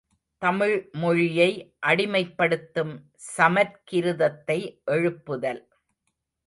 தமிழ்மொழியை அடிமைப்படுத்தும் சமற்கிருதத்தை எழுப்புதல்.